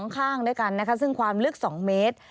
ข้างด้วยกันนะคะซึ่งความลึก๒เมตร